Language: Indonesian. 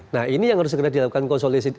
nah ini yang harus segera dilakukan konsolisi